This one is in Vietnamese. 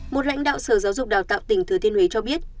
một lãnh đạo sở giáo dục đào tạo tỉnh thừa thiên huế cho biết